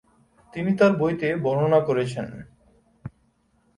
তিনি তার বইতে বর্ণনা করেছেন।